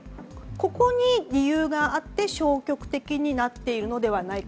ここに理由があって、消極的になっているのではないか。